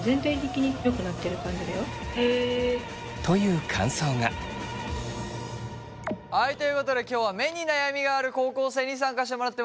という感想が。ということで今日は目に悩みがある高校生に参加してもらってます。